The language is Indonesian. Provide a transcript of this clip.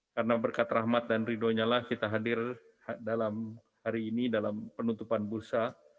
karena berkat rahmat dan ridhonya lah kita hadir hari ini dalam penutupan bursa